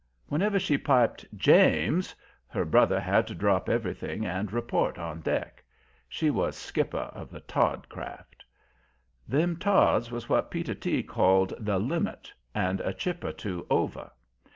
Whenever she piped "James" her brother had to drop everything and report on deck. She was skipper of the Todd craft. Them Todds was what Peter T. called "the limit, and a chip or two over."